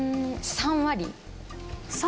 ３割。